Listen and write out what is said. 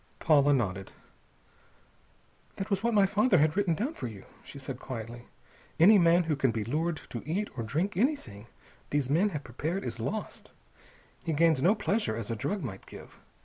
Paula nodded. "That was what my father had written down for you," she said quietly. "Any man who can be lured to eat or drink anything these men have prepared is lost. He gains no pleasure, as a drug might give.